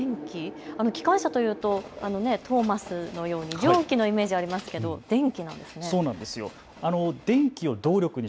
機関車というとトーマスのように蒸気のイメージがありますけど電気なんですね。